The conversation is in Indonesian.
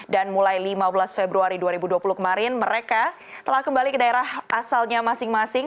dan mulai lima belas februari dua ribu dua puluh kemarin mereka telah kembali ke daerah asalnya masing masing